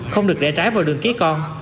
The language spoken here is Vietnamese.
không được rẽ trái vào đường ký con